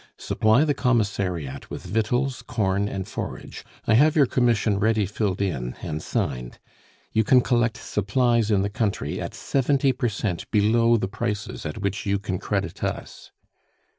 "Supply the Commissariat with victuals, corn, and forage; I have your commission ready filled in and signed. You can collect supplies in the country at seventy per cent below the prices at which you can credit us."